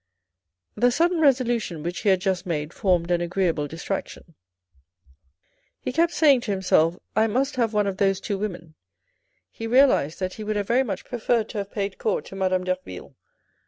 The sudden resolution which he had just made formed an agreeable distraction. He kept saying to himself, " I must have one of those two women ; he realised that he would have very much preferred to have paid court to Madame Derville.